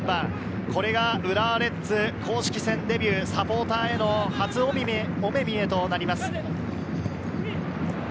これが浦和レッズ公式戦デビュー、サポーターへの初お目見えとなります。